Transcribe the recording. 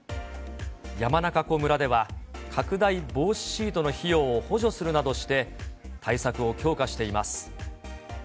山中湖村では、拡大防止シートの費用を補助するなどして、対策を強化しています。